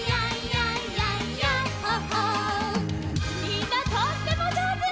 みんなとってもじょうず！